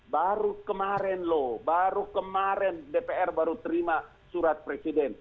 baru kemarin loh baru kemarin dpr baru terima surat presiden